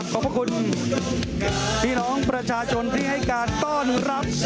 ขอบคุณพี่น้องประชาชนที่ให้การต้อนรับ